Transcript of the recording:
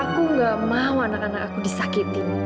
aku gak mau anak anak aku disakiti